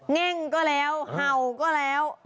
แง่งก็แล้วเห่าก็แล้ว